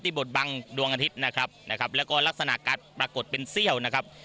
บทบังดวงอาทิตย์นะครับนะครับแล้วก็ลักษณะการปรากฏเป็นเซี่ยวนะครับ